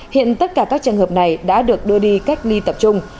hiện tất cả các trường hợp này đã được đưa đi cách ly tập trung